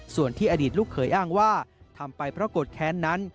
ส่วนที่อดีตลูกเขยอ้างว่าทำไปเพราะโกรธแค้นนั้น